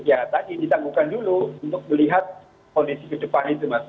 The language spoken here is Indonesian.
ya tadi ditangguhkan dulu untuk melihat kondisi ke depan itu mas